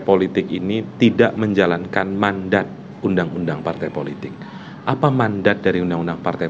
politik ini tidak menjalankan mandat undang undang partai politik apa mandat dari undang undang partai